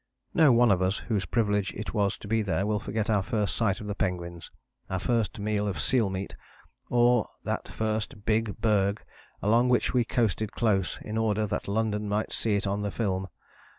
No one of us whose privilege it was to be there will forget our first sight of the penguins, our first meal of seal meat, or that first big berg along which we coasted close in order that London might see it on the film.